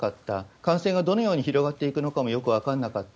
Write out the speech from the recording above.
感染がどのように広がっていくのかもよく分かんなかった。